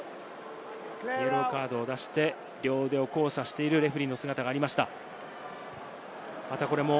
イエローカードを出して両腕を交差しているレフェリーの姿がありました。